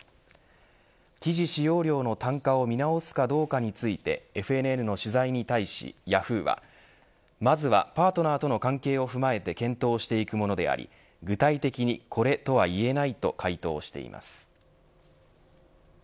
記事使用料の単価を見直すかどうかについてＦＮＮの取材に対し、ヤフーはまずはパートナーとの関係を踏まえて検討していくものであり具体的にこれ、とは言えないと回答しています。